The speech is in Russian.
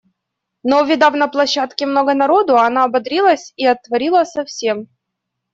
Но увидав на площадке много народу, она ободрилась и отворила совсем.